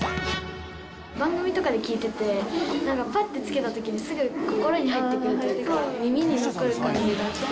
番組とかで聴いてて、なんか、ぱっとつけたときに、すぐ心に入ってくるというか、耳に残る感じがして。